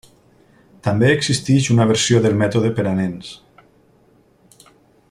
També existeix una versió del mètode per a nens.